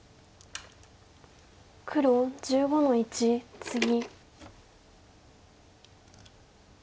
黒１５の一ツギ。